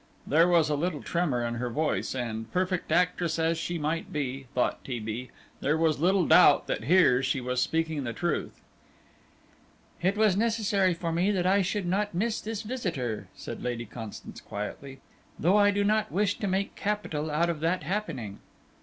There was a little tremor in her voice, and, perfect actress as she might be, thought T. B., there was little doubt that here she was speaking the truth. "It was necessary for me that I should not miss this visitor," said Lady Constance, quietly, "though I do not wish to make capital out of that happening."